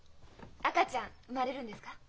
赤ちゃん生まれるんですか？